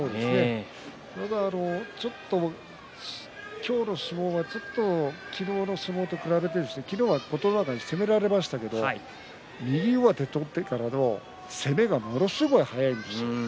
今日の相撲は昨日の相撲と比べて昨日は琴ノ若に攻められましたけど右上手を取ってからの攻めがものすごく速いですよね。